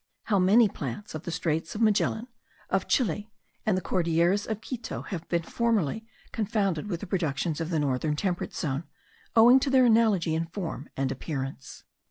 How many plants of the straits of Magellan, of Chile, and the Cordilleras of Quito have formerly been confounded with the productions of the northern temperate zone, owing to their analogy in form and appearance.